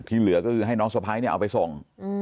เหลือก็คือให้น้องสะพ้ายเนี่ยเอาไปส่ง